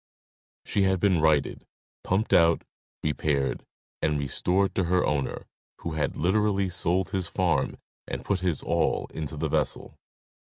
She had been righted, pumped out, repaired, and restored to her owner, who had literally sold his farm and put his all into the vessel.